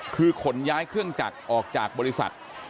คือขนย้ายเครื่องจักรออกจากบริษัท